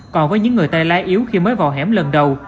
còn với những người tay lái yếu khi mới vào hẻm lần đầu